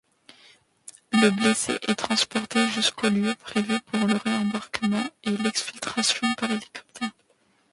Le blessé est transporté jusqu'au lieu prévu pour le ré-embarquement et l'exfiltration par hélicoptère.